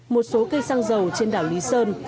một số cây xăng dầu trên đảo lý sơn